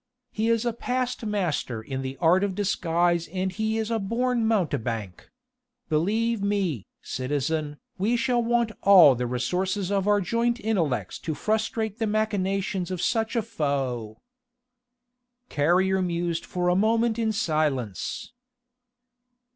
He is a past master in the art of disguise and he is a born mountebank. Believe me, citizen, we shall want all the resources of our joint intellects to frustrate the machinations of such a foe." Carrier mused for a moment in silence.